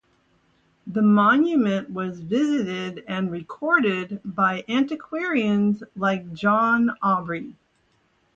The monument was visited and recorded by antiquarians like John Aubrey.